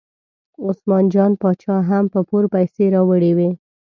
عثمان جان باچا هم په پور پیسې راوړې وې.